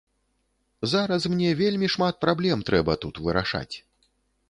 Зараз мне вельмі шмат праблем трэба тут вырашаць.